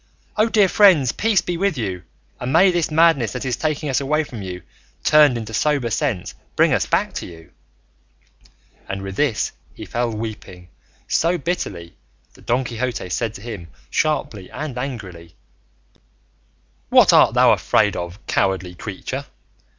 O dear friends, peace be with you, and may this madness that is taking us away from you, turned into sober sense, bring us back to you." And with this he fell weeping so bitterly, that Don Quixote said to him, sharply and angrily, "What art thou afraid of, cowardly creature?